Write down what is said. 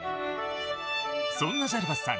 そんなジャルバスさん